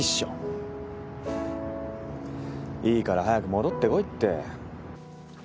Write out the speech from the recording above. ふっいいから早く戻ってこいって。